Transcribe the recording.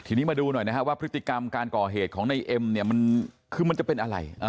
ทีนี้มาดูหน่อยนะครับว่าพฤติกรรมการก่อเหตุของในเอ็มเนี่ยมันคือมันจะเป็นอะไร